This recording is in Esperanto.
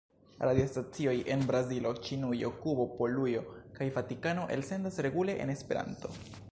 Radiostacioj en Brazilo, Ĉinujo, Kubo, Polujo kaj Vatikano elsendas regule en Esperanto.